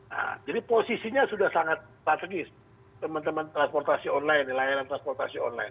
nah jadi posisinya sudah sangat strategis teman teman transportasi online layanan transportasi online